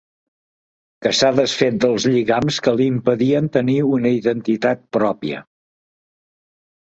Que s'ha desfet dels lligams que li impedien tenir una identitat pròpia.